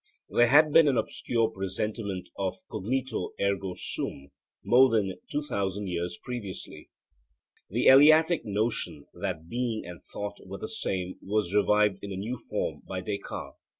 There had been an obscure presentiment of 'cognito, ergo sum' more than 2000 years previously. The Eleatic notion that being and thought were the same was revived in a new form by Descartes.